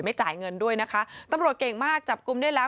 จ่ายเงินด้วยนะคะตำรวจเก่งมากจับกลุ่มได้แล้ว